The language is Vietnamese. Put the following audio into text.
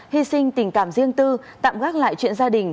hy sinh tình cảm riêng tư tạm gác lại chuyện gia đình